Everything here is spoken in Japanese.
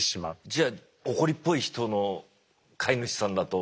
じゃ怒りっぽい人の飼い主さんだと。